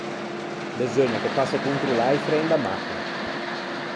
Beseugna che fasse controllâ i fren da machina.